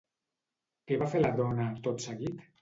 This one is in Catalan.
Què va fer la dona, tot seguit?